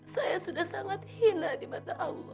saya sudah sangat hina di mata allah